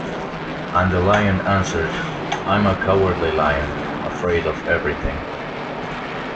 And the Lion answered, "I am a Cowardly Lion, afraid of everything".